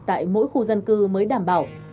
tại mỗi khu dân cư mới đảm bảo